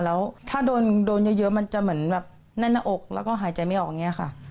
แล้วถ้าโดนเยอะมันจะเหมือนแบบแน่นหน้าอกแล้วก็หายใจไม่ออกอย่างนี้ค่ะ